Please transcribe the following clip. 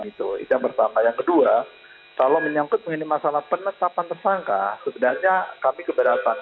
itu yang pertama yang kedua kalau menyangkut mengenai masalah penetapan tersangka sebenarnya kami keberatan